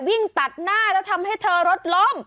วิ่งตัดหน้าแล้วทำให้เธอรถล้ม